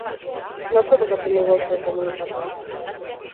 Nortzuk osatzen dugu euskal komunitatea?